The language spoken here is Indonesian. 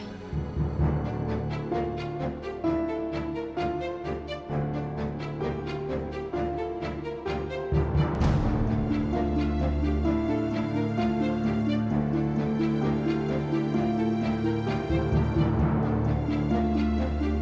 something tersebut tidak akan membika jelas